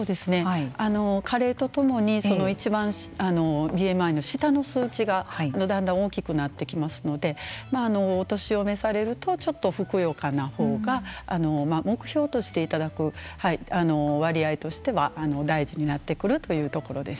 加齢とともにいちばんＢＭＩの下の数値がだんだん大きくなってきますのでお年を召されるとちょっとふくよかなほうが目標としていただく割合としては大事になってくるというところです。